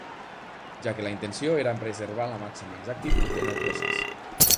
Ja que la intenció era preservar la màxima exactitud en el procés.